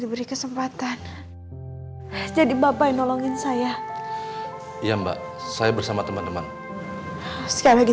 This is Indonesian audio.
diberi kesempatan jadi bapak nolongin saya ya mbak saya bersama teman teman sekali lagi